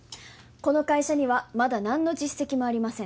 この会社にはまだ何の実績もありません